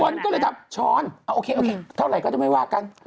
คนก็เลยทำช้อนโอเคเท่าไหร่ก็จะไม่ว่ากัน